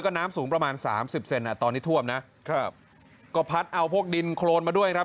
ก็น้ำสูงประมาณสามสิบเซนอ่ะตอนนี้ท่วมนะครับก็พัดเอาพวกดินโครนมาด้วยครับ